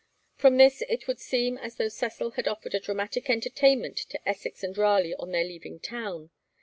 From this it would seem as though Cecil had offered a dramatic entertainment to Essex and Raleigh on their leaving town.